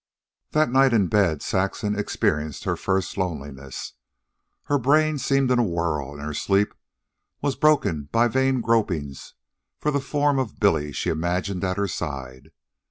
That night, in bed, Saxon experienced her first loneliness. Her brain seemed in a whirl, and her sleep was broken by vain gropings for the form of Billy she imagined at her side.